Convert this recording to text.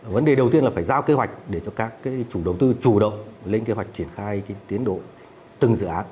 vấn đề đầu tiên là phải giao kế hoạch để cho các chủ đầu tư chủ động lên kế hoạch triển khai tiến độ từng dự án